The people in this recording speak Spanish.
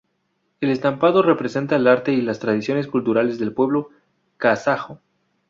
El estampado representa al arte y las tradiciones culturales del pueblo kazajo.